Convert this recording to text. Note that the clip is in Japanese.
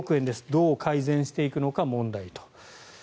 どう改善していくのか問題と。